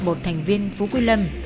một thành viên phú quy lâm